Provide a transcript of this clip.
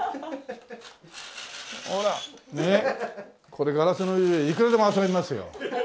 これガラスの上でいくらでも遊べますよ。